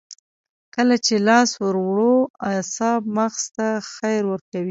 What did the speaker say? کله چې لاس ور وړو اعصاب مغز ته خبر ورکوي